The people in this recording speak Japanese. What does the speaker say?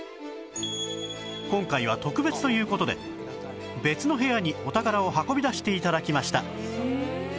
今回は特別という事で別の部屋にお宝を運び出して頂きました